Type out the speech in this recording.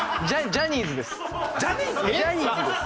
ジャニーズです。